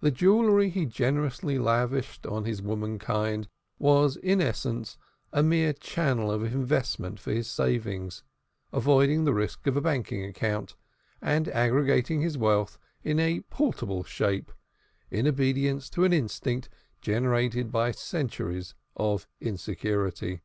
The jewelry he generously lavished on his womankind was in essence a mere channel of investment for his savings, avoiding the risks of a banking account and aggregating his wealth in a portable shape, in obedience to an instinct generated by centuries of insecurity.